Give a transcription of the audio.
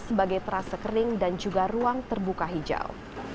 sebagai terase kering dan juga ruang terbuka hijau